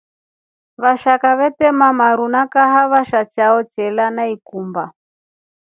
Vashaka vetema maru na kahava sha chao chelya na ikumba.